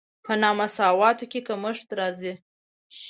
په نامساواتوب کې کمښت راځي.